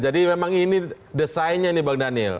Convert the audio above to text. jadi memang ini desainnya ini bang daniel